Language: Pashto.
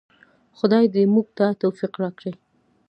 خدای دې موږ ته توفیق راکړي